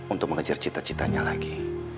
untuk mengejar cita citanya lagi